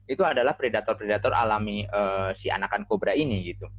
itu adalah predator predator alami si anakan kobra ini